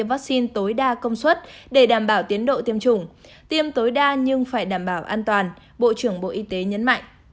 vaccine tối đa công suất để đảm bảo tiến độ tiêm chủng tiêm tối đa nhưng phải đảm bảo an toàn bộ trưởng bộ y tế nhấn mạnh